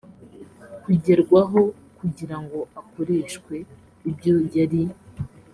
kugerwaho kugira ngo akoreshwe ibyo yari